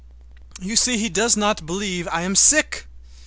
You see, he does not believe I am sick!